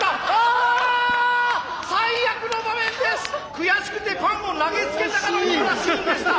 悔しくてパンを投げつけたかのようなシーンでした。